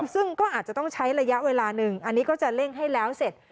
ซึ่งก็อาจจะต้องใช้ระยะเวลาหนึ่งอันนี้ก็จะเร่งให้แล้วเสร็จ